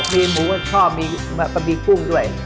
มีหมูก็ชอบมีบะหมี่กุ้งด้วย